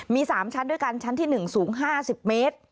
มี๓ชั้นด้วยกันชั้นที่๑สูง๕๐เมตร